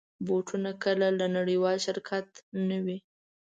بوټونه کله له نړېوال شرکت نه وي.